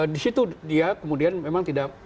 di situ dia kemudian memang tidak